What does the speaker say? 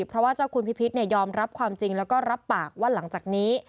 เพราะว่าเจ้าคุณพิพิษยอมรับความจริงแล้วก็รับปากว่าหลังจากนี้